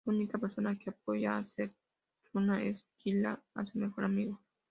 La única persona que apoya a Setsuna es Kira, su mejor amigo.